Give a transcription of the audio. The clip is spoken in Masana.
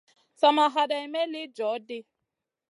Sa ma haɗeyn may li joh ɗi.